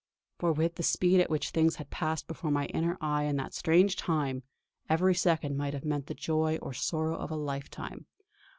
For with the speed at which things had passed before my inner eye in that strange time, every second might have meant the joy or sorrow of a lifetime.